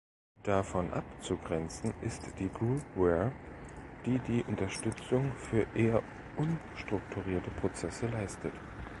Davon abzugrenzen ist die Groupware, die die Unterstützung für eher unstrukturierte Prozesse leistet.